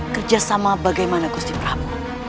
kerja sama bagaimana gusti prabu